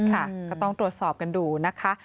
ก็ต้องตรวจสอบกันดูนะคะ